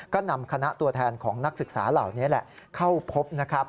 ก็นำคณะตัวแทนของนักศึกษาเหล่านี้แหละเข้าพบนะครับ